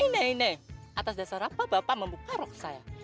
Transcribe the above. nenek atas dasar apa bapak membuka rok saya